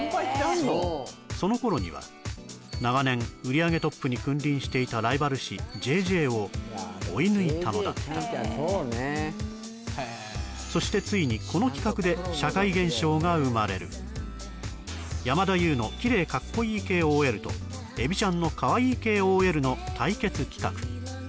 その頃には長年売り上げトップに君臨していたライバル誌「ＪＪ」を追い抜いたのだったそしてついにこの企画で社会現象が生まれる山田優のキレイカッコいい系ＯＬとエビちゃんのかわいい系ＯＬの対決企画